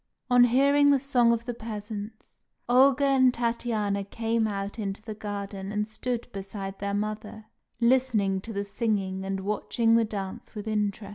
On hearing the song of the peasants, Olga and Tatiana came out into the garden and stood beside their mother, listening to the singing and watching the dance with interest.